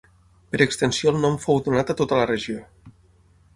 Per extensió el nom fou donat a tota la regió.